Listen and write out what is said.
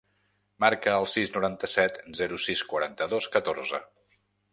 Marca el sis, noranta-set, zero, sis, quaranta-dos, catorze.